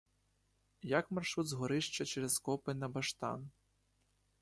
Як маршрут з горища через копи на баштан?